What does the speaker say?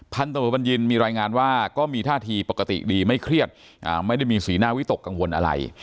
ตำรวจบัญญินมีรายงานว่าก็มีท่าทีปกติดีไม่เครียดไม่ได้มีสีหน้าวิตกกังวลอะไร